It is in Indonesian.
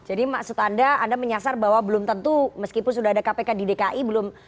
jadi maksud anda anda menyasar bahwa belum tentu meskipun sudah ada kpk di dki belum